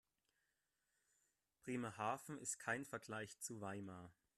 Bremerhaven ist kein Vergleich zu Weimar